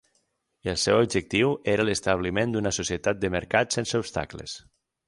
El seu objectiu era l'establiment d'una societat de mercat sense obstacles.